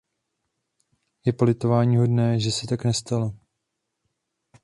Je politováníhodné, že se tak nestalo.